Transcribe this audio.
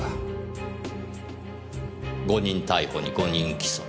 誤認逮捕に誤認起訴。